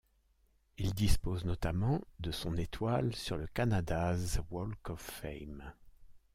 Il dispose notamment de son étoile sur le Canada's Walk of Fame.